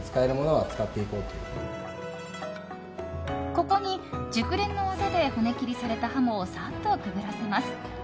ここに熟練の技で骨切りされたハモをさっとくぐらせます。